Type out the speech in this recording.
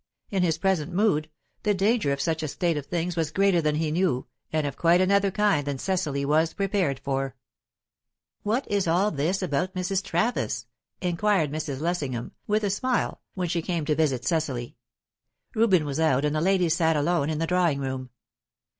In his present mood, the danger of such a state of things was greater than he knew, and of quite another kind than Cecily was prepared for. "What is all this about Mrs. Travis?" inquired Mrs. Lessingham, with a smile, when she came to visit Cecily. Reuben was out, and the ladies sat alone in the drawing room.